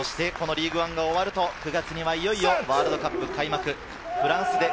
リーグワンが終わると、いよいよ９月にはワールドカップ開幕。